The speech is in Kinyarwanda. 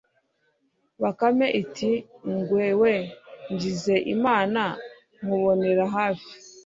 bakame iti 'ngwe we, ngize imana nkubonera hafi